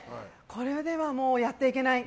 これではもうやっていけない。